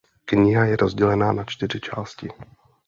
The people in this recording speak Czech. Kniha je rozdělena na čtyři části.